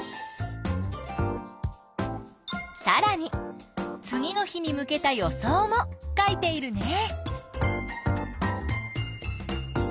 さらに次の日に向けた予想も書いているね。